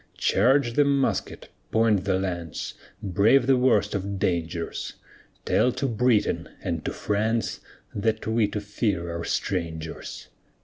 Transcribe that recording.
Charge the musket, point the lance, Brave the worst of dangers; Tell to Britain and to France, That we to fear are strangers.